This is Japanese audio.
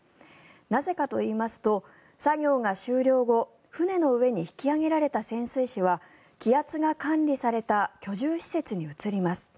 なぜかといいますと作業が終了後船の上に引き揚げられた潜水士は気圧が管理された居住施設に移ります。